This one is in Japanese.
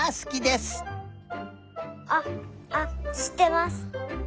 あっあっしってます。